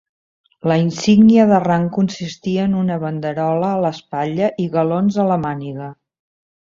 La insígnia de rang consistia en una bandolera a l'espatlla i galons a la màniga.